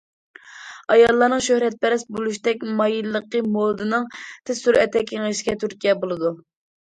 ئاياللارنىڭ شۆھرەتپەرەس بولۇشتەك مايىللىقى مودىنىڭ تېز سۈرئەتتە كېڭىيىشىگە تۈرتكە بولىدۇ.